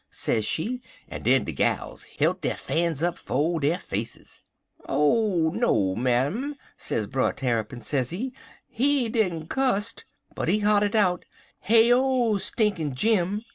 sez she, en den de gals hilt der fans up 'fo' der faces. "'Oh, no, ma'am,' sez Brer Tarrypin, sezee, 'he didn't cusst, but he holler out "Heyo, Stinkin' Jim!"'